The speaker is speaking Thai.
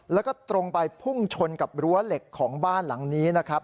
แล้วก็ตรงไปพุ่งชนกับรั้วเหล็กของบ้านหลังนี้นะครับ